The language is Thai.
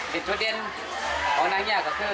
คุณต้อง